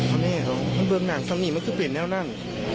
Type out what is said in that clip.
อ้าวนะเห่อมันเบิ้มหนังสว่านี้มันก็เปลี่ยนจริงจริง